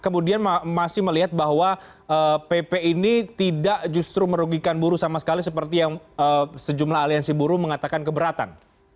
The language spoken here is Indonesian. kemudian masih melihat bahwa pp ini tidak justru merugikan buruh sama sekali seperti yang sejumlah aliansi buruh mengatakan keberatan